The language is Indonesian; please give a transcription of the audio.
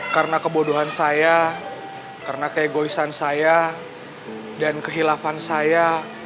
karena kebodohan saya karena keegoisan saya dan kehilafan saya